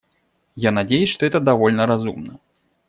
Я надеюсь, что это довольно разумно.